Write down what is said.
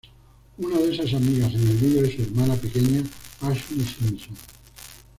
Una de esas amigas en el vídeo es su hermana pequeña Ashlee Simpson.